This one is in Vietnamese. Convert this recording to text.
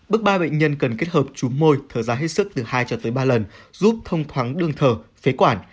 bước ba bệnh nhân cần kết hợp trúng môi thở ra hết sức từ hai cho tới ba lần giúp thông thoáng đường thở phế quản